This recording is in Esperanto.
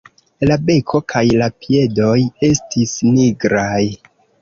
La beko kaj la piedoj estis nigraj.